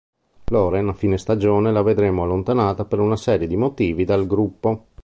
Lauren a fine stagione la vedremo allontanata per una serie di motivi dal gruppo.